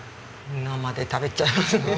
生で食べちゃいますね。